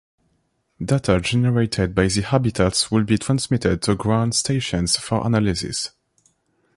Data generated by the habitats would be transmitted to ground stations for analysis.